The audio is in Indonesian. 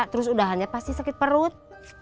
terus udahannya pasti sakit perut